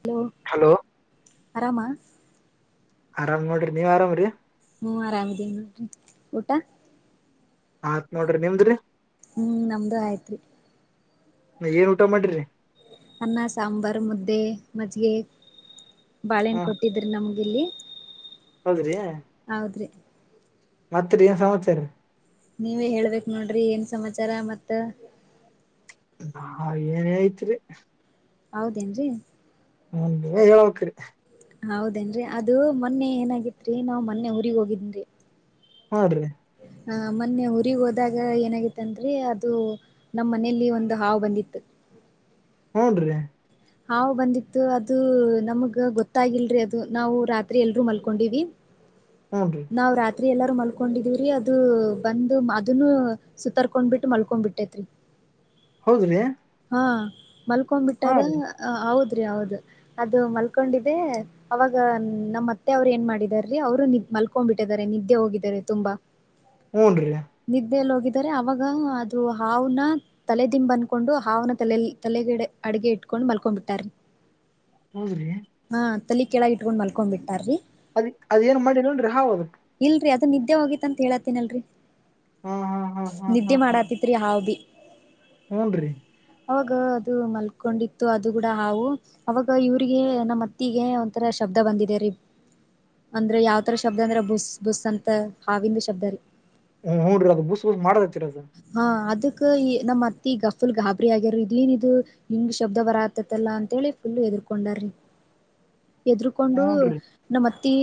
Hello hello ಆರಾಮಾ ಆರಾಮ್ ನೋಡ್ರಿ ನೀವ್ರಾಮ್ರಿ ಹೂ ಆರಾಮ್ ಇದೀನಿ ಊಟ ಆತ್ ನೋಡ್ರಿ ನಿಮ್ದ್ರಿ ಹೂ ನಮ್ಮದುೂ ಆಯ್ತರಿ ಏನ್ ಊಟ ಮಾಡಿರಿ ಅನ್ನ ಸಾಂಬಾರು ಮತ್ತೆ ಮಜ್ಜಿಗೆ ಹ ಬಾಳೆಣ್ಣ ಕೊಟ್ಟಿದ್ರಿ ನಮ್ಗ ಇಲ್ಲಿ ಹೌದ್ರಿ ಹೌದ್ರೀ ಮತ್ತ ಏನ್ ಸಮಾಚಾರ ನೀವೇ ಹೇಳ್ಬೇಕ ನೋಡ್ರಿ ಏನ್ ಸಮಾಚಾರ ಮತ್ತ ನಾ ಏನೇ ಐತ್ರಿ ಹೌದೇನ್ರೀ ನೀವೇ ಹೇಳಬೇಕರಿ ಹೌದೇನ್ರಿ ಅದು ಮೊನ್ನೆ ಏನಾಗಿತ್ರಿ ನಾವ್ ಮೊನ್ನೆ ಊರಿಗ ಹೋಗಿದನ್ ರಿ ಹೋದ್ರಿ ಹ ಮೊನ್ನೆ ಊರಿಗ್ ಹೋದಾಗ ಏನಾಗಿತ್ತಂದ್ರೆ ಅದು ನಮ್ಮ್ ಮನೇಲಿ ಒಂದು ಹಾವು ಬಂದಿತ್ತು ಹೂ ರಿ ಹಾವು ಬಂದಿತ್ತು ಅದು ನಮಗ ಗೊತ್ತಾಗಿಲ್ರಿ ಅದು ನಾವು ರಾತ್ರಿ ಎಲ್ರೂ ಮಲ್ಕೊಂಡಿವಿ ಹ ಹು ರಿ ನಾವು ರಾತ್ರಿ ಎಲ್ಲರೂ ಮಲ್ಕೊಂಡಿದೀವ್ರೀ ಅದು ಬಂದು ಅದನ್ನು ಸುತ್ತರ್ಕೊಂಡ್ಬಿಟ್ಟು ಮಲ್ಕೊ್ಬಿಟ್ಟೇತ್ರಿ ಹೌದ್ರಿ.. ಹಾ ಹಾ ಮಲ್ಕೊ್ಬಿಟ್ಟದ ರೀ ಹೌದ್ರಿ ಹೌದ ಅದು ಮಲ್ಕೊಂಡಿದ್ದೆ. ಅವಾಗ ನಮ್ಮ ಅತ್ತೆ ಅವ್ರು ಏನ್ ಮಾಡಿದಾರೀ ಅವರು್ ಮಲ್ಕೊಂಡ್ಬಿಟ್ಟಿದ್ದಾರೆ ನಿದ್ದೆ ಹೋಗಿದ್ದಾರೆ ತುಂಬಾ. [unintelligible] ಹೂ ರಿ ನಿದ್ದೆೆಯಲ್ಲಿ ಹೋಗಿದಿದ್ದಾರೆ ಅವಾಗ ಅದು ಹಾವನ ತಲೆದಿಂಬ ಅಂದಕೊಂಡು ಹಾವನ ತಲೆ ತಲೆಗಡೆ ಅಡಗೆ ಇಟ್ಕೊಂಡ್ ಮಲ್ಕೊ್ಬಿಟ್ಟಾರ.. ಹೌದ್ರಿ.. ಹಾ ತಲಿ ಕೆಳಾಗಿ ಇಟ್ಕೊಂಡ್ ಮಲ್ಕೊಂಡ್ ಬಿಟ್ಟಾರ್ರಿ.. ಅದ ಅದ ಏನ್ ಮಾಡಿಲ್ಲನ್ ರಿ ಹಾವು ಅದಕ್.. ಇಲ್ರರಿ ಅದು ನಿದ್ದೆ ಹೋಗಿ ಅಂತ ಹೇಳತ್ತಿನಲ್ರರಿ.. ಹಾ ಹಾ ಹಾ ಹಾ ನಿದ್ದೆ ಮಾಡಾತಿತ್ರಿ ಹಾವು ಭಿ. ಹೂ ರೀ. ಅವಾಗ ಅದು ಮಲ್ಕೊಂಡಿತ್ತು. ಅದು ಕೂಡ ಹಾವು ಅವಾಗ ಇವ್ರಿಗೆ ನಮ್ಮ ಅತ್ತಿಗೆ ಒಂಥರ ಶಬ್ದ ಬಂದಿದ ರೀ.. ಅಂದ್ರೆ ಯಾವ್ತರ ಶಬ್ದ ಅಂದ್ರ ಬುಸ್ ಬುಸ್ ಅಂತ ಹಾವಿಂದ ಶಬ್ದ ರೀ. ಹೂ ಹುನ್ರಿ ಅದು ಬುಸ್ ಬುಸ್ ಮಾಡದತ್ತತಿರಿ ಅದು ಹಾ ಅದಕ್ ಈ ನಮ್ ಅತ್ತ ಈ ಗಫಲ್ ಗಾಬರಿಿ ಆಗ್ಯಾರ ಇದ್ಲನ್ ಇದು ಹಂಗ. ಶಬ್ದ ಬರ ಆತತಲ್ಲ ಅಂತೇಳಿ ಫುಲ್ ಎದರ್ಕೊಂಡಾರಿ ಎದರ್ಕೊಂಡರಿ ಹೂನ್ರಿ ನಮ್ಮ್ತ್ತಿ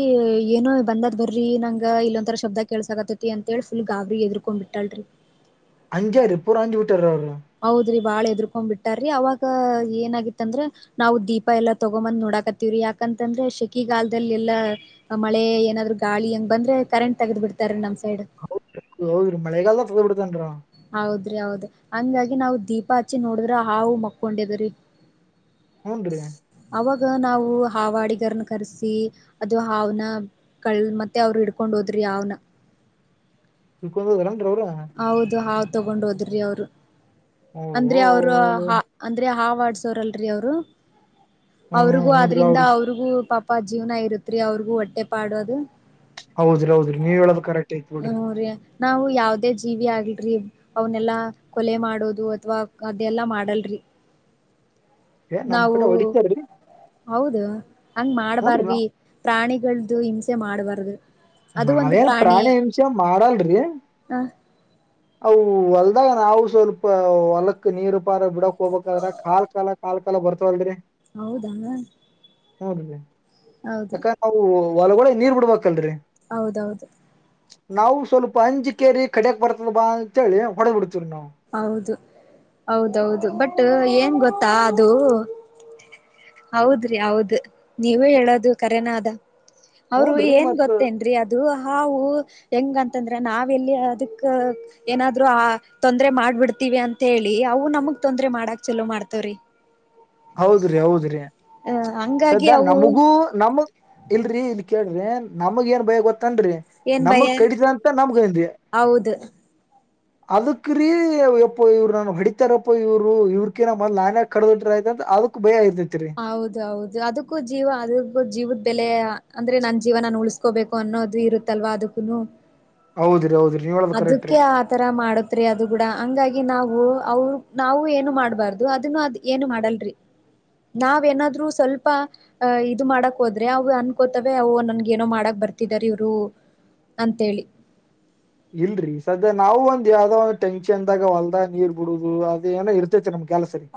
ಏನ ಬಂದ್ ಬರ್ರಿ ನಂಗ ಇಲ್ಲ ಒಂಂತರ ಶಬ್ದ ಕೇಸಕತತಿ ಅಂತ ಹೇಳ್ ಫುಲ್ ಗಬ್ಬರಿಗೆ ಎದ್ಕೊಂಡ್ ಬಿಟ್ಟಳರಿ ಹಂಗೇರಿ ಪೂರ ಅಂಜಿ ಬಿಟ್ಟರಿ ಅವ್ರು ಹೌದ್ರಿ ಬಾಳ ಎದರ್ಕೊ್ ಬಿಟ್ಟಾರ್ರಿ ಅವಾಗ ಏನಾಗಿತ್ತಂದ್ರ. ನಾವು ದೀಪ ಎಲ್ಲಾ ತಗೊಂಬಂದ್ ನೋಡಾಕತ್ತವ್ರಿ ಯಾಕಂತಂದ್ರೆ ಶೆಕಿಗಾಲ್ದಲ್ಲಿ ಎಲ್ಲಾ. ಮಳೆ ಏನಾದ್ರು ಗಾಳಿ ಹೆಂಗ ಬಂದ್ರೆ ಕರೆಂಟ್ ತಗ್ದ್ ಬಿಡ್ತಾರೀ ನಮ್ ಸೈಡ್. ಹೌದ ಹೌದ್ರಿ ಮಳೆಗಾಲದ ತಗೋಬ ಬಿಡ್ತನ್ರ. ಹೌದ್ರಿ ಹೌದಿ ಹಂಗಾಗಿ ನಾವು ದೀಪ ಹಚ್ಚಿ ನೋಡಿದ್ರ ಹಾೂ ಮಕ್ಕೊಂಡಿದ್ರೀ. ಹೂ ರೀ. ಅವಾಗ ನಾವು ಹಾಾವಡಿಗರನ್ನ ಕರೆಸಿ ಅದು ಹಾವನ್ನ ಕಳ್ಳ ಮತ್ತೆ ಅವ್ರರು ಇಡ್ಕೊಂಡ್ ಹೋದ್ರಿ ಯಾವ್ನ ಉಕೊಂದದಲ್ಲೇನ್ರಿ ಅವ್ರು ಹೌದು ಹಾಾವ ತಗೊಂಡ್ ಹೋದ್ರಿ ಅವ್ರು ಅಂದ್ರ ಓ ಅವ್ರು ಅಂದ್ರೆ ಹಾವಡ್ಸೋರಲ್ರರಿ ಅವ್ರು ಹ್ಮ್ ಅವ್ರಿಗೂ ಹೂನ್ರಿ ಅವ್ರ ಆದದ್ರಿಂದ ಅವ್ರಿಗೂ ಪಾಪ ಅಪ್ಪ ಜೀವನ ಇರುತ್ೀ ಅವ್ರಿಗೂ ಹೊಟ್ಟೆ ಪಾಡೋದು ಹೌದಿ ಹೌದಿ ನೀವ ಹೇಳೋ ಕರೆಕ್ಟ್ ಆಐತ ಬಿಡ್ರಿ ಮೂ ನಾವು ಯಾವುದೇ ಜೀವಿ ಆಗಲ್ರಿ ಅವನೆಲ್ಲಾ ಕೊಲೆ ಮಾಡೋದು ಅಥ್ವಾ ಅದೆಲ್ಲಾ ಮಾಡಲ್ರಿ ಏ ನಮ್ ನಾವು ಕಡೆ ಹೊಡಿತಾರ್ರಿ ಹೌದು ಹಂಗ್ ನೋಡ್ರಿ ನಾವ್ ಮಾಡ್ಬಾರ್ರಿ ಪ್ರಾಣಿಗಳ್ದು ಹಿಂಸೆ ಮಾಡಬಾರ್ದು ನಾವೇನ್ ಪ್ರಾಣಿಹಿಂಸಾ ಮಾಡಲ್ಲ ರಿ ಹ ಅವು ಹೊಲ್ದಾಗ ನಾವು ಸ್ವಲ್ಪ ಹೊಲಕ್ಕ ನೀರು ಪಾರ ಬಿಡಕ್ ಹೋಗಬಾದ್ರ ಕಾಲ್ ಕಾಲಕ್ ಕಾಲ್ ಕಾಲಾ ಬರ್ತವಲ್ದರಿ ಹೌದಾ ಹೌದ್ರಿ ಹೌದು ಯಾಕ್ ನಾವು ಹೊಲಗಡೆ ನೀರ್ ಬಿಡ್ಬೇಕಲ್ರರಿ ಹೌದೌದು ನಾವು ಸ್ವಲ್ಪ ಅಂಜಿ ಕೇರಿ ಕಡಕ್ ಬರ್ತದ ಬಾ ಅಂತೇಳಿ ಹೊಡೆದ ಬಿಿಡ್ತೀವಿ ನಾವು ಹೌದು ಹೌದೌದು ಬಟ್ ಏನ್ ಗೊತ್ತಾ ಅದು ಹೌದ್ರಿ ಹೌದ ನೀವೇ ಹೇಳೋದು ಕರೆನಾದ ಅವ್ರು ಹೂನ್ರಿ ಏನ್ ಮತ್ ಗೊತ್ತೇನ್ರೀ ಅದ ದು ಹಾವು ಹೆಂಗಂತಂದ್ರೆ ನಾವೆಲ್ಲಿ ಅದಕ್ಕ ಏನಾದ್ೂ ಆ ತೊಂದ್ರೆ ಮಾಡ್ಬಿಡ್ತಿೀವಿ ಅಂತ ಹೇಳಿ ಅವು ನಮಗ್ ತೊಂದ್ರೆ ಮಾಡಾಕ್ ಚಲೋ ಮಾಡ್ತವ್ರಿ ಹೌದ್ರಿ ಹೌದ್ರಿ ಅ ಹಂಗಾಗಿ ಸದಾ ಅವು ನಮಗೂ ನಮಗ್ ಇಲ್ರರಿ ಇಲ್ ಕೇಳ್ರಿ ನಮಗ ಏನ್ ಭಯ ಗೊತ್ತನ್ರರಿ ಏನ್ ಭಯ ನಮಗ್ ಕಡಿತದ ಅಂತ ನಮ್ಗೆ ಹ ಅದಕ್ರೀ ಇಪ್ಪ ಇವ್ರು ನಾನು ಹೊಡಿತಾರಪ್ಪ ಇವ್ರು ಇವ್ರಕೇನ ಮ ನಾನೇ ಕಡದಂಟ ಅದಕ್ ಭಯ ಇರ್ತೈತಿರಿ ಹೌದ ಹೌದು ಅದಕ್ಕೂ ಜೀವ ಅದಕ್ಕೂ ಜೀವದ ಬೆಲೆ ಅಂದ್ರೆ ನನ್ ಜೀವನ ಉಲ್ಸ್ ಇಕೋಬೇಕು ಅನ್ನೋದು ಇರುತ್ತಲ್ವಾ ಅದಕ್ಕೂನು ಹೌದ್ರಿ ಹೌದಿ ನೀವ್ ಹೇಳಳ್ಬೇಕ ಕರೆಕ್್ರೀ ತರ ಮಾಡತ್ೀ ಅದು ಕೂಡ ಹಂಗಾಗಿ ನಾವು ಅವ ನಾವು ಏನು ಮಾಡ್ಬಾರ್ದು ಅದನ್ನು ಅದ್ ಏನು ಮಾಡಲ್ರರಿ ನಾವೇನಾದ್ರು ಸ್ವಲ್ಪ ಅಹ ಇದು ಮಾಡಕ್ ಹೋದ್ರೆ ಅವು ಅನ್ಕೋತವೆ ಅವು ನನ್ಗ ಏನೋ ಮಾಡಕ್ ಬರ್ತಿದಾರ ಇವ್ರು ಅಂಥೇಳಿ ಇಲ್ರರಿ ಸದ್ಯ ನಾವು ಒಂದ್ ಯಾವ್ದದೋ ಒಂದು ಟೆನ್ಕ್ಷನ್ದಾಗ ಹೊಲ್ದ ನೀರ್ ಬಿಡುದು ಅದೇಏನೋ ಇರ್ತೈತಿರಿ ನಮ್ ಕೆಲಸ ರಿ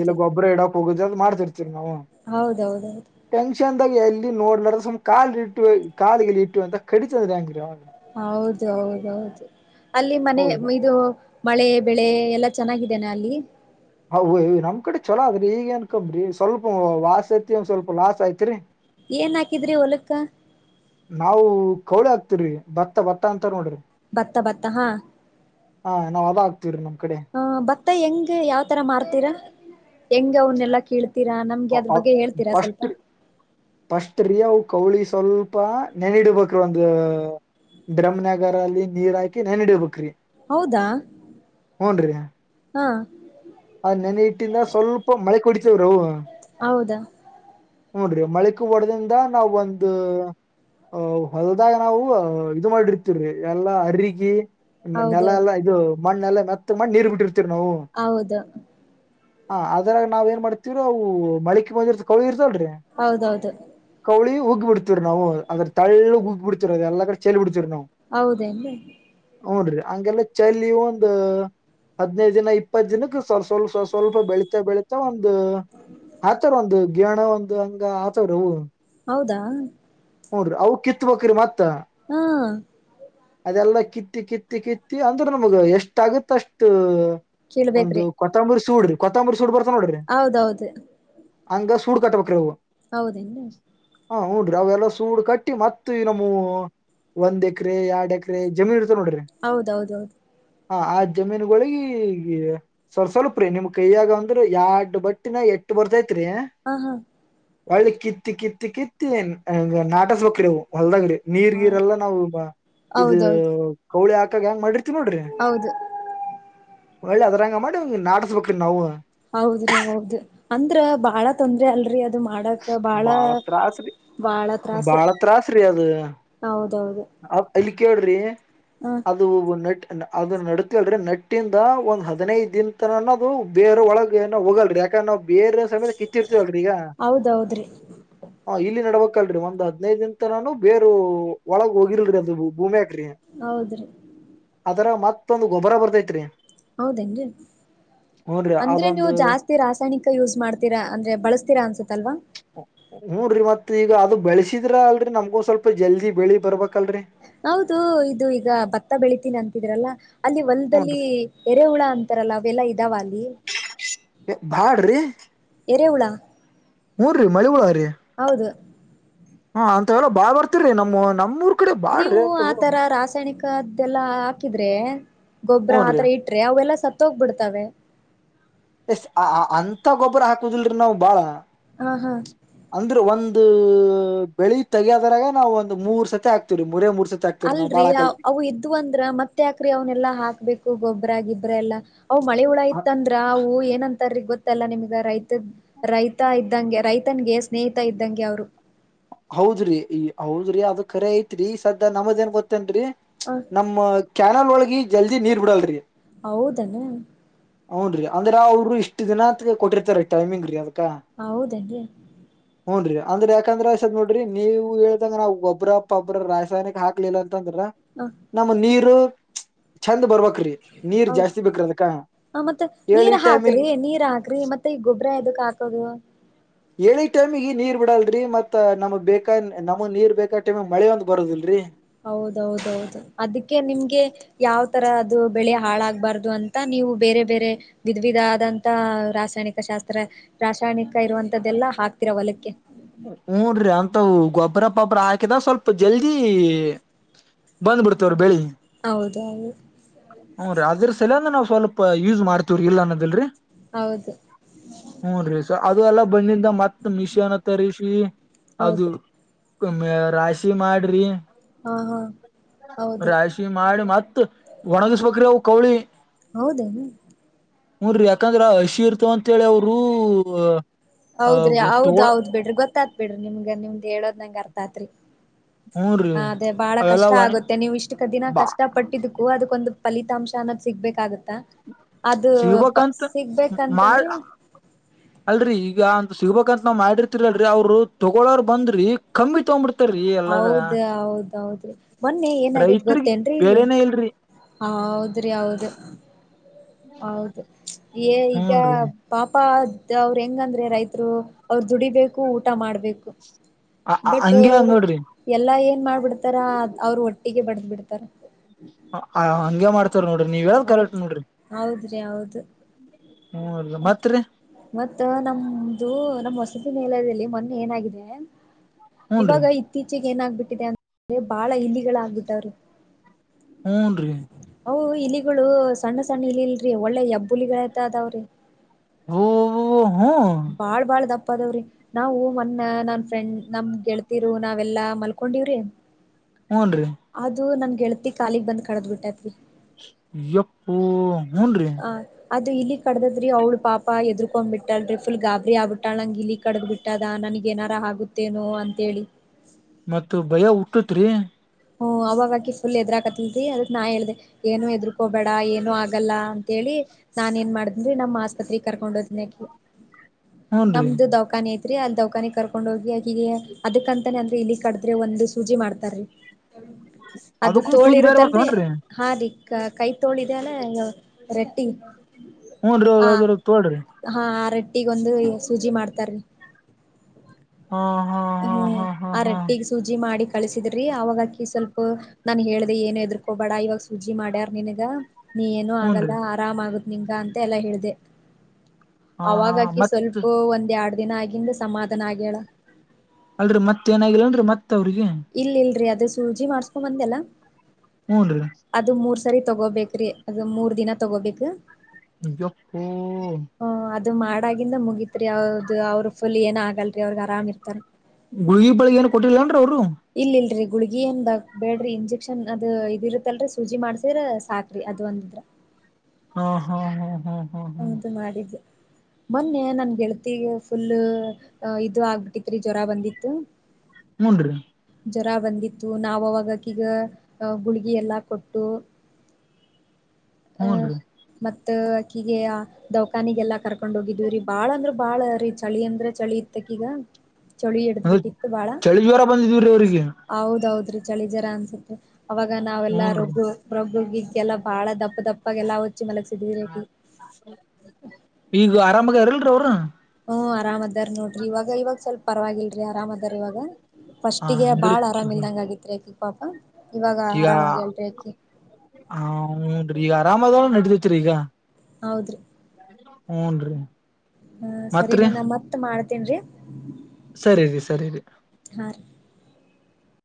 ಇಲ್ಲ ಗೊಬ್ಬರ ಇಡಕ್ ಹೋಗುದ ಅ ಮಾಡ್ತಿರ್ತೀರಿ ನಾವವು ಹೌದೌದೌದು ಟೆಂಕ್ಷನ್ದಾಗ ಎಲ್ಲಿ ನೋಡ್ ಮಾಡಡ್ರ ಸುಮ್ ಕಾಲಲ್ ಇಟ್ಟು ಕಾಲಲ್ಲಿ ಇಟ್ಟು ಅಂತ ಕಡಿತಂದ್ರೆ ಹಂಗಿ ಅವ ಹೌದು ಹೌದೌದು ಅಲ್ಲಿ ಮನೆ ಹೌದ್ರಿ ಇದು ಮಳೆ ಬೆಳೆ ಎಲ್ಲಾ ಚೆನ್ನಾಗಿದೆನಾ ಅಲ್ಲಿ ಹ್್ ನಮ್ಮ ಕಡೆ ಚಲೋ ಆದ್ರಿ ಈಗ ಏನ್ಕಂಬ್ರಿ ಸ್ವಲ್ಪ ವಾಸ ಐತಿ ಒ್ ಸ್ವಲ್ಪ ಲಾಸ್ ಐತ್ರಿ ಏನ್ ಹಾಕಿದ್ರಿ ಒಲಕ್ಕ ನಾವವು ಕೌಳಿ ಹಾಕ್ತಿ್ರರಿ ಭತ್ತ ಭತ್ತ ಅಂತ ನೋಡ್ರಿ ಭತ್ತ ಭತ್ತ ಹಾ ಹಾ ನಾವ್ ಅದ ಹಾಕ್ತಿವ್ರಿ ನಮ್ ಕಡೆ ಹತ್ತ ಮತ್ತ ಹೆಂಗ ಯಾವ್ ತರ ಮಾರ್ತೀರಾ ಹೆಂಗ್ ಅವನ್ನೆಲ್ಲಾ ಕೀಳ್ ೀರಾಮಗೆ ಅದ್ರ ಬಗ್ಗೆ ಹೇಳ್ತೀಾ ಸ್ವಲ್ಪ ಫಸ್ಟ್ ಫಸ್ಟ್ ರೀ ಅವು ಕೌಳಿ ಸ್ವಲ್ಪ ನೆನಿಡ್ಬೇಕ್ರ ಒಂದ ಬ್ರಹ ನಗರ ಅಲ್ಲಿ ನೀರ್ ಹಾಕಿ ನನ್ ಹಡಬೇಕಕ್್ರಿ ಹೌದಾ ಹಾ ಅದ್ ನೆನೆ ಇಟ್ಟಿಂದ ಸ್ವಲ್ಪ ಮಳೆ ಕುಡಿತವ್ರವು ಹೌದಾ ಹೂಡ್ರಿ ಮಳಕ್ ಒಡದಿಂದ ನಾವ ಒಂದು ಅ ಹೊಲ್ದಾಗ ನಾವು ಇದು ಮಾಡಿರ್ತಿವ್ರಿ ಎಲ್ಲಾ ಅರ್ರಕಿ ಹೌದೌದು ನೆಲಲ್ಲ ಇದು ಮಣ್ಣೆಲ್ಲ ಮತ್ತತ್ ಮಣ್ಣ ನೀರ್ ಬಿಟ್ಟಿರ್ತೀವ ನಾವು ಹೌದು ಹ ಅದ್ರಾಗ ನಾವ ಏನ್ ಮಾಡ್ತತಿವ್ರ ಅವು ಮಳಿಕ್ಕೆ ಮುಂದಿರ್ ಕಳ ಇರ್ತಲ್ರೀ ಹೌದೌದು ಕೌಳಿ ಉಗ್ಬ ಬಿಡ್ತತಿವಿ ನಾವು ಅದ್ರ ತಳ್ಳು ಉುಗಿ ಬಿಡ್ತಿವಿ ಅದದೆಲ್ಲ ಕಡೆ ಚೆಲ್ ಬಿಡ್ತಿವ್ ನಾವು ಹೌದನ್ ಹ್ನ್ರಿ ಹಗೆಲ್ಲ ಚಲಿ ಒಂದ ಹದ್ನೈದು ದಿನ ಇಪ್ಪತ್ ದಿನಕ್ಕ ಸ್ವ ಸ್ವಲ್ಪ ಸ್ವಲ್ಪ ಬೆಳೀಿತ ಬೆಳಿತಾ ಒಂದು ಆತರ್ ಒಂದು ಗಿಣ ಒಂದು ಹತವ ರ ಹೌದಾ ಹೋಡ್ರಿ ಅ ಕಿತ್ಬಕ್ರಿ ಮತ್ತ ಹ್ಮ ಅದೆಲ್ಲಾ ಕಿತ್ತಿ ಕಿತ್ತಿ ಕಿತ್ತಿ ಅಂದ್ರೂ ನಮಗ ಎಷ್ಟ ಆಗುತ್ತ ಅಷ್ಟ ಒಂದು ಕೇಳ್ಬೇಕ್ರಿ ಕೊತ್ತಾಂಬರಿ ಸೂಡ್ರಿ ಕೊತ್ತಾಂಬರಿ ಸೂಡ್ ಬರ್ತಾ ನೋಡ್ರಿ ಹೌದೌದು ಹಂಗ ಸೂಡ್ ಕಟ್ಟಬೇಕ್ರಿ ಅವು ಹೌದೆನ್ ಹ ಹುನ್ರಿ ಅವೆಲ್ಲ ಸೂಡ್ ಕಟ್ಟಿ ಮತ್ತ ಈ ನಮ್ಮವು ಒಂದ್ ಎಕರೆ ಎರಡ್ ಎಕರೆ ಎಕರೆ ಜಮೀನು ಇರ್ತ ನೋಡ್ರಿ ಹೌದೌದೌದು ಹ ಆ ಜಮೀನುಗಳಿಗ ಸ್ವಲ್ಪ ಸ್ವಲ್ಪ ರಿ ನಿಮ್ ಕೈಯಾಗ ಅಂದ್ರ ಎರಡ್ ಬಟ್ಟಿನ ಎಟ್ಟ ಬರ್ತೈತ್ರಿ ಆ ಹಾ ಹೊಳ್ಳಿ ಕಿತ್ತ ಕಿತ್ತ ಕಿತ್ತಿ ನಾಟಸಬೇಕ್ರಿ ಅವು ಹೊಲದಗ್ರಿ ಹ ನೀರ್ಗೀರೆಲ್ಲಾ ನಾವು ಇದ ಹೌದೌದು ಕೌಳಿ ಹಾಕಾಗ ಹೆಂಗ ಮಾಡಿರ್ತಿವಿ ನೋಡ್ರಿ ಹೌದು ಹೊಳ್ಳಿ ಅದ್ರಂಗ ಮಾಡಿ ನಾಟಸ್ಬೇಕ್ರೀ ನಾವು ಹೌದ್ರಿ ಹೌದ ಅಂದ್ರ ಬಾಳ ತೊಂದ್ರೆ ಅಲ್ರರಿ ಅದು ಅದು ಮಾಡಕ ಬಾಳ ಬಾಳ ತ್ರಾಸ ಬಾಳ ಹೌದೌದು ಹ ಅಲ್ಲಿ ಕೇಳ್ರಿ ಹಾ ಅದು ನಟ್ಟ ಅದನಾ ನಡ್ತಿವೇಲ ನಟ್ಟಿಂದ ಒಂದ್ ಹದಿನೈದು ದಿನ ತನಾನ ಅದು ಬೇರ ಒಳಗೆ ಏನ ಹೋಗಲ್ರರಿ ಯಾಕಂದ್ರ ನಾವು ಬೇರೆ ಸಮೇತ ಕಿತ್ತಿರ್ತೀವಲ್ರರಿ ಈಗ ಹೌದೌದ್ರಿ ಹ ಇಲ್ಲಿ ನಡ್ಬೇಕಲ್ರರಿ ಒಂದ್ ಹದ್ನೈದಿಂದತನಾನು ಬೇರು ಒಳಗ್ ಹೋಗಿಲ್ರಿ ಅದು ಭೂಮ್ಯಗ್ರಿ ಹೌದ್ರಿ ಅದರಗ ಮತ್ತೊಂದ್ ಗೊಬ್ಬರ ಬರ್ತೈತ್ರಿ ಹೌದೆನ ರಿ ಹೂನ್ರಿ ಅಂದ್ರೆ ನೀವು ಅದೊಂದು ಜಾಸ್ತಿ ರಾಸಾಯನಿಕ ಯೂಸ್ ಮಾಡ್ತೀರಾ ಅಂದ್ರೆ ಬಳಸ್ತೀರಾ ಅನ್ಸತ್ತಲ್ವಾ ಹೂ ಡ್ರಿ ಮತ್ ಈಗ ಅದು ಬೆಳಸಿದ್ರ ಅಲ್ರರಿ ನಮ್ಗೂ ಸ್ವಲ್ಪ ಜಲ್ದಿ ಬೆಳಿ ಬರ್ಬೇಕಲ್ರರಿ ಹೌದು ಇದು ಈಗ ಭತ್ತ ಬೆಳಿತೀನಿ ಅಂತಿದ್ರಲ್ಲ ಅಲ್ಲಿ ಹೊಲ್ದಲ್ಲಿ ಹೂನ್ರಿ ಎರೆ ಹುಳ ಅಂತಾರಲ್ಲ ಅವೆಲ್ಲಾ ಇದ್ದಾವ ಅಲ್ಲಿ ಬ್ಯಾಡ್ರಿ ಎರೆಹುಳ ಹೂ ರಿ ಮಳಿಹುಳಾರಿ ಹೌದು ಹ ಅಂತ ಎಲ್ಲ ಬಾಳ್ ಬರ್ತರಿೀ ನಮ್ಮ ನಮ್ಮೂರ್ ಕಡೆ ನೀವು ಬಾಳ್ರಿ ಅಂತವು ಆತರ ರಾಸಾಯನಿಕ್ದದೆಲ್ಲಾ ಹಾಕಿದ್ರೆ ಗೊಬ್ಬ್ರ ಹೂನ್ರಿ ಆತರ ಇಟ್ಟ ಅವೆಲ್ಲಾ ಸತ್ತ ಹೋಗ್ಬ ಬಿಡ್ತಾವೆ ಎಸ್ ಅಂತ ಗೊಬ್ಬರ ಹಾಕುದಿಲ್ರಿ ನಾವು ಬಾಳ ಹಾ ಹಾ ಅಂದ್ರೆ ಒಂದು ಬೆಳಿ ತಗಯದರಾಗ ನಾವು ಒಂದು್ ಮೂರ್ ಸತಿ ಆಕ್ತವವಿ ಮೂರೇ ಮೂರ್ ಸತಿ ಹಾಕ್ತಿವ್ರಿ ನಾವ್ ಅಲ್ರರಿ ಬಾಳ ಹಾಕಲ್ರಿ ಅವು ಇದ್ವು ಅಂದ್ರ ಮತ್ತತ್ ಯಕ್ರಿ ಅವನೆಲ್ಲಾ ಹಾಕ್ಬೇಕು ಗೊಬ್ಬ್ರ ಗಿಬ್ರ ಎಲ್ಲಾ ಅವು್ ಮಳೆ ಹುಳ ಇಐತ್ತ ಅಂದ್ರ ಅವು ಏನಂತ ಗೊತ್ತಲ್ಲ ನಿಮಗ ರೈತ ರೈತ ಇದ್ದಂ ರೈತನ್ಗೆ ಸ್ನೇಹಿತ ಇದ್ದಂಗೆ ಅವ್ರು ಹೌದ್ರಿ ಈ ಹೌದ್ರಿ ಅದಖರ ಐತ್ರಿ ಈ ಸದಾ ನಮದ ಏನ್ ಗೊತ್ತೇನ್ರರಿ ಆ ನಮ್ಮ್ ಕ್ಯಾನಲ್ ಒಳಗ ಜಲ್ದಿ ನೀರ್ ಬಿಡಲ್ರಿ ಹೌದು ಏನ ಹೂ ರೀ ಅಂದ್ರೆ ಅವರು ಇಷ್ಟ್ ದಿನತ್ ಕೊಟ್ಟಿರ್ತಾರೆ ಟೈಮಿಂಗ್ ರೀ ಅದಕ್ಕ ಹೌದೆನ್ ಹುಡ್ರಿ ಅಂದ್ರ ಯಾಕಂದ್ರ ಅಸದ ನೋಡ್ರಿ ನೀವು ಹೇಳ್ದಂಗ ನಾವು ಒಬ್ಬ್ರ ಪಬಬ್ಬ್ರ ರಾಸಾಯನಕ್ ಹಾಕ್ಲಿಲ್ಲ ಅಂತ ಅಂದ್ರ ಹ ನಮ್ಮ ನೀರು ಚಂದ ಬರ್ಬೇಕ್ರಿ ನೀರ್ ಹೌದು ಜಾಸ್ತಿ ಬೇಕ್ರ ಅದ್ಕ ಹ ಮತ್ತತ್ ನೀರ್ ಹಾಕ್ರಿ ನೀರ್ ಹಾಕ್ರಿ ಮತ್ತೆ ಈ ಗೊಬ್ಬ್ರ ಎದಕ್ ಹಾಕೋದು ಹೇಳಿ ಟೈಮಿಗೆ ನೀರ್ ಬಿಡಲ್ರರಿ ಮತ್ ನಮ್ ಬೇಕಾ ನಮ್ ನೀರ್ ಬೇಕಾದ ಟೈಮ ಮಳೆ ಒಂದ್ ಬರೋದಿಲ್ರರಿ ಹೌದೌದೌದು ಅದಕ್ಕೆ ನಿಮ್ಗೆ ಯಾವ ತರ ದು ಬೆಳೆ ಹಾಳಾಗಬಾರ್ದು ಅಂತ ನೀವು ಬೇರೆ ಬೇರೆ ವಿಧ ವಿಧ ಆದಂತ ರಾಸಾಯನಿಕ ಶಾಸ್ತ್ರ ರಾಸಾಯನಿಕ ಇರುವಂತದ್ದೆಲ್ಲ ಹಾಕ್ತಿರ ಹೊಲಕ್ಕೆ ಹಊನ್್ರಿ ಅಂತ ಗೊಬ್ಬ್ರ ಪೊಬ್ರ ಹಾಕಿದ ಸ್ವಲ್ಪ ಜಲ್ದಿ ಬಂದ್ಬಿಡ್ತವರಿ ಬೆಳಿ ಹೌದಾ ಹ್ಞ ರೀ ಅದ್ರ ಸಲಯಂದ ನಾವ ಸ್ವಲ್ಪ ಯೂಸ್ ಮಾಡ್ತಿವರಿ ಇಲ್ಲ ಅನ್ನೋದಲ್ರರಿ ಹೌದು ಹನ್ ರೀ ಸ ಅದು ಎಲ್ಲ ಬಂದಿಂದ ಮತ್ತ ಮಿಷನ್ ತರಿಸಿ ಅದು ಹೌದು ರಾಶಿ ಮಾಡ್ರಿ ಹಾ ಹಾ ಹೌದ್ರಿ ರಾಶಿ ಮಾಡಿ ಮತ್ ಒಣಗಿಸ ಬಕ್ರಿ ಅವು ಕೌಳಿ ಹೌದೇನೆ ಹನ್್ರಿ ಯಾಕಂದ್ರ ಹಸಿ ಇರ್ತವ ಅಂತೇಳಿ ಅವರು ಅ ಹೌದ್ರಿ ತಗೋಳ್ ಹೌದ್ೌದ್ ಬಿಡ್ರಿ ಗೊತ್ತಾತ್ ಬಿಡ್ರಿ ನಿಮ್ಗೆ ನಿಮ್ದ್ ಹೇಳೋದ್ನಂಗ ಅರ್ಥ ಆತ್ರಿ ಹೂನ್ರಿ ಅ ಅದೇ ಬಾಳ ಅವೆಲ್ಲ ಕಷ್ಟ ಒಣ ಆಗುತ್ತೆ ನೀವು ಇಷ್ಟ ದಿನ ಬಾ ಕಷ್ಟ ಪಟ್ಟಿದ್ದಕ್ಕು ಅದಕ್ಕೊಂದು ಫಲಿತಾಂಶ ಅನ್ನೋ್ ಸಿಗ್ಬೇಕಾಗತ್ತಾ ಅದು ಪ ಸಿಗ್ಬೇಕಂತ ಮಾಡ್ ಸಿಗ್ಬೇಕಂತಂದ್ರೆ ಅಲ್ರರಿ ಈಗ ಅಂತ ಸಿಗಬೇಕಂತ ನಾವ್ ಮಾಡಿರ್ತಿರಿ ಅಲ್ರರಿ ಅವ್ರು ತೊಗೋರ್ ಬಂದ್ರಿ ಕಮ್ಮಿ ತಗೊಂಡಬಿಡ್ತ ಹೌದ ಹೌದೌದು ಮೊನ್ನೆ ಏನಾಗೇತ್ ರೈತರಿಗ್ ಗೊತ್ತೇನ್ರೀ ಇಲ್ಲಿ ಬೆಲೆನೇ ಇಲ್ರಿ ಹೌದ್ರಿ ಹೌದ ಹೌದು ಈಗ ಹೂನ್ರಿ ಪಾಪ ಅವರು ಹೆಂಗಂದ್ರೆ ರೈತರು ಅವ್ರ ದುಡಿಬೇಕು ಊಟ ಮಾಡ್ಬೇಕು ಬಟ್ ಹಂಗೆ ಅದ್ ನೋಡ್ರಿ ಎಲ್ಲಾ ಏನ್ ಮಾಡ್ಬಿಡ್ತಾರ ಅವರು ಒಟ್ಟಿಗೆ ಬಡದ್ ಬಿಡ್ತಾರ ಹಂಗಗೆ ಮಾಡ್ತವ ನೋಡ್ರಿ ನೀವ್ ಯಾವ ಕರೆಟ್ ಹೌದ್ ನೋಡ್ರಿ ಹೌದ್ರಿ ಹೌದು ಹ್ಮ ಅಲ್ಲ ಮತ್ರಿ ಮತ್ತ ನಮ್ದು ನಮ್ ಹೊಸತಿ ನಿಲಯದಲ್ಲಿ ಮೊನ್ನೆ ಏನಾಗಿದೆ ಹೂನ್ರಿ ಇವಾಗ ಇತ್ತೀಚೆಗೆ ಏನಾಗಬಿಟ್ಟಿದೆ ಅಂತಂದ್ರೆ ಬಾಳ ಇಲಿಗಳಾಗಗ್ಬಿಟ್ಟವ್ರು [unintelligible] ಹೂನ್ ರಿ ಹ ಇಲಿಗಳು ಸಣ್ಣ ಸಣ್ಣ ಇಲಿಲ್ರರಿ ಒಳ್ಳೆ ಯಬ್ಬುಲಿಗಳತ ಅದಾವ್ರಿ ಓ ಹ್ಮ ಬಾಳ್ ಬಾಳ ದಪ್ಪ ಅದವ್ರಿ ನಾವು ಮನ್ನ ನನ್ ಫ್ರೆಂಡ್ ನಮ್ ಗೆಳತಿರು ನಾವೆಲ್ಲಾ ಮಲ್ಕೊಂಡಿವ್ರಿ ಹ್ನ್ ರರಿ ಅದು ನನ ಗೆಳತಿ ಕಾಲಿಗ್ ಬಂದ ಕಡದ್ ಬಿಟ್ಟೈತ್ರಿ ಯಪ್ಪು ಹೂನ್ರೀ ಅದು ಇಲ್ಲಿ ಕಡದದ್ರಿ ಅವಳ ಪಾಪ ಎದ್ರಕೊಂಡ್ಬ ಬಿಟ್ಟಾಲ್ರಿ ಫುಲ್ ಗಾಬರಿ ಆಬಟ್ಟಾಳಂಗ ಇಲಿ [unintelligible] ಕಡ್ದ್ ಬಿಟ್ಟದ ನನಗ ಏನಾರ ಆಗುತ್ತೇನೋ ಅಂತೇಳಿ ಮತ್ತ ಭಯ ಹುಟ್ಟತ್ರಿ [unintelligible] ಹ್ಮ ಅವಾಗಕಿ ಫುಲ್ ಎದ್ರಾಕತಿಲ್ರಿ ಅದ ನಾ ಹೇಳ್ದೆ ಏನು ಎದರ್ಕೋಬೇಡ ಏನು ಆಗಲ್ಲ ಅಂತೇಳಿ ನಾನ್ ಏನ್ ಮಾಡ್ದನ್ಿ ನಮ್ಮ್ ಆಸ್ಪತ್ರೆಗೆಗ್ ಕರ್ಕೊಂಡ್ ಹೋದನಕಿ ಹೂನ್ರಿ ನಮ್ದು ದೌಖಾನೆ ಐ [unintelligible] ೀ ಅ ದೌಖಾನಿ ಕರ್ಕೊಂಡ್ ಹೋಗಿೀಗೆ ಅದಕ್ಕಂತಾನೇ ಅಂದ್ರೆ ಇಲ್ಲಿ ಕಡದ್ರೆ ಒಂದ್ ಸೂಜಿ ಮಾಡ್ತಾರೀ [unintelligible] ಅದು ಅದಕ್ಕೂ ತೋಳಿ ಚೂಜ್ ಬೇರೆ ಇರುತ್ತಲ್ರಿ ಬರ್ತವನ್ರಿ [unintelligible] ಹಾ ರೀ ಕೈ ತೋಳಿದಾನ ರೆಟ್ಟಿ [inaudible] ಹನ್ದರ ತೋಳ್ರಿ [unintelligible] ಹಾ ಆ ರೊಟ್ಟಿಗೊಂದು ಸೂಜಿ ಮಾಡ್ತಾರ [unintelligible] ಹಾ ಹಾ ಹಾ ಹ್ಮ್ ಹಾ ಹಾ ಆ ಹಾ ರೊಟ್ಟಿಗೆ ಸೂಜಿ ಮಾಡಿ ಕಳಸಿದ್ರಿ ಅವಾಗಕಿ ಸ್ವಲ್ಪ [unintelligible] ನಾನ್ ಹೇಳ್ದ ಏನ ಎದ್ರಕೋಬೇಡ ಇವಾಗ ಸುಜಿ ಮಾಡ್ಯಾರ್ ನಿಿನಗ ನೀ ಏನುೂ ಆಗಲ್ಲ ಹೂನ್ರಿ ಆರಾಮ ಆಗತ್ ನಿಂಗಗ ಅಂತ ಎಲ್ಲಾ ಹೇಳಿದೆೆ ಹಾ ಹಾ ಅವಾಗಕಿ ಮತ್ ಸ್ವಲ್ಪ ಒಂದ್ ಎರಡ್ ದಿನ ಆಗಿಂದ ಸಮಾಧಾನ ಆಗ್ಯೇಳ ಅಲ್ರರಿ ಮತ್ತತ್ ಏನಾಗಿಿಲ್ಲ ಅನ್ರರಿ ಮತ್ ಅವ್ರಿಗೆ ಇಲ್ಲಲ್ರರಿ ಅದು ಸೂಜಿ ಮಾಡ್ಸ್ಕೊ ಬಂದಲ್ಲ ಹ್ಞನ್ ರೀ ಅದು ಮೂರ್ ಸರಿ ತಗೋಬೇಕ್ರಿ ಅದು ಮೂರ್ ದಿನ ತಗೋಬೇಕ ಜಕ್ಕು ಹ ಅದು ಮಾಡಾಗಿಂದ ಮುಗಿತ್ರಿ ಅವ್ದದು ಅವ್ರರು ಫುಲ್ ಏನ ಆಗಲ್ರಿ ಅವ್ರಗ್ ಆರಾಮ್ ಇರ್ತಾರ ಗುಳಗಿ ಬೆಳಿಗ್ ಏನು ಕೊಟ್ಟರ್ಿಲ್ಲಾನ್ರೀ ಅವ್ರು ಇಲ್ ಇಲ್ರರಿ ಗುಳಗಿ ಏನ್ ಬ ಬೇಡ್ರಿ ಇಂಜೆಕ್ಷನ್ ಅದು ಇದ ಇರುತ್ತಲ್ರರಿ ಸೂಜಿ ಮಾಡ್ಸಿದ್ರ ಸಾಕ್ರಿ ಅದ ಒಂದಿದ್ರ ಹಾ ಹಾ ಹಾ ಹಾ ಹಾ ಹದು ಮಾಡಿದ್ದು ಮೊನ್ನೆ ನನ್ ಗೆಳತಿಗೆ ಫುಲ್ ಇದು ಆಗ್ಬಟ್ಟಿ ರಿ ಜ್ವರ ಬಂದಿತ್ತು ಹೂನ್ರಿ ಜ್ವರ ಬಂದಿತ್ತು ನಾವ ಅವಾಗಕ್ಕ ಈಗ ಗುಳಗಿ ಎಲ್ಲಾ ಕೊಟ್ಟು ಅಹ ಹೂನ್ರಿ ಮತ್ತಕೀಗೆ ದೌಖಾನಿಗೆಲ್ಲ ಕರ್ ಕಕೊಂಡ್ೋಗಿದೀವಿ್ರೀ ಬಾಳ ಅಂದ್ರ ಬಾಳ ರೀ ಚಳಿ ಅಂದ್ರ ಚಳಿ ಇತ್ತಕೀಗ ಅ ಚಳಿ ಜ್ವರ ಬಂದಿದೀವ ರೀ ಅವರಿಗೆ ಹೌದೌದ್ರೀ ಚಳಿ ಜರ ಅನ್ಸತ್ೆ ಅವಾಗ ನಾವೆಲ್ಲ ಹೂನ್ರಿ ರಗು ಪ್ರೊಬಗಗೆಲ್ಲಾ ಬಾಳ ದಪ್ಪ ದಪ್ಪಾಗಲ್ಲ ಹಚ್ಚಿ ಮಲಗ್ ಸಿದ್ಿ ರಿ ಈಗ ಆರಾಮಾಗ ಇರಲ್ರಿೀ ಅವರು ಹ್ಮ್ ಅ ಆರಾಮ ಅದಾರ ನೋಡ್ರಿ ಇವಾಗ ಇವಾಗ ಸ್ವಲ್ಪ ಪರವಾಗಿಲ್ರರಿ ಆರಾಮ ಅದಾರ ಇವಾಗ ಫಸ್ಟಿಗೆ ಅಂದ್ರ ಬಾಳ್ ಆರಾಮ ಇಲ್ದಂಗ ಆಗಿತ್ರಿ ಅಕಿ ಪಾಪ ಇವಾಗ ಆರಾಮಾಗಿ ಹೇಳೇಲ್್ರಿ ಅಕಿ ಹನ್್ರಿ ಈಗ ಆರಾಮದಲ್ಲ ನಡದೈತ್ರಿ ಈಗ ಹೌದ್ರೀ ಹ್ನ್ ರೀ ಹಾ ಸರಿ ನೀ ನಾ ಮತ್ ಮಾಡ್ತೇನ್ೀ ಸರಿಿ ಸರಿರಿ ಹಾ ರ